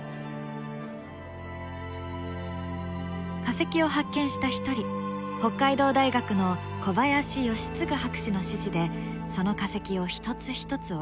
化石を発見した一人北海道大学の小林快次博士の指示でその化石を一つ一つ置いていきます。